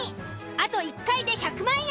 あと１回で１００万円！